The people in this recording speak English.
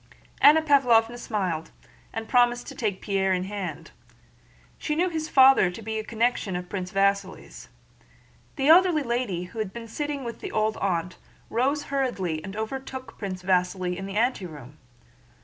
Anna Pávlovna smiled and promised to take Pierre in hand. She knew his father to be a connection of Prince Vasíli's. The elderly lady who had been sitting with the old aunt rose hurriedly and overtook Prince Vasíli in the anteroom.